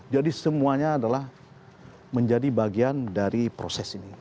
jadi semuanya adalah menjadi bagian dari proses ini